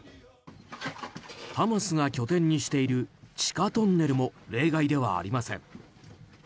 ハマスが拠点にしている地下トンネルも例外ではありません。